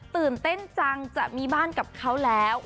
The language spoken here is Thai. ตื่นเต้นจังจะมีบ้านกับเขาแล้ว